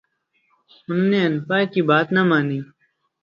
انہوں نے اَن پڑھ کی بات نہ مانی